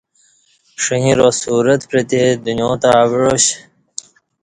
ݜݣرا صورت پعتے دنیاتہ اوعا ش